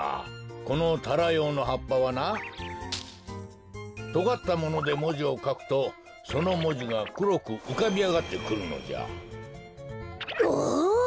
このタラヨウのはっぱはなとがったものでもじをかくとそのもじがくろくうかびあがってくるのじゃ。わ！